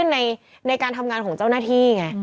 ในการทำงานของเจ้าหน้าที่ไง